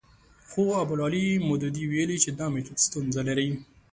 خو ابوالاعلی مودودي ویلي چې دا میتود ستونزه لري.